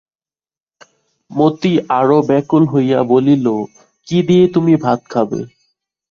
মতি আরো ব্যাকুল হইয়া বলিল, কী দিয়ে তুমি ভাত খাবে?